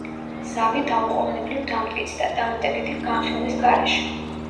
ზავი დაუყოვნებლივ დამტკიცდა, დამატებითი განხილვის გარეშე.